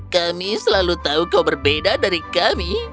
kami selalu tahu kau berbeda dari kami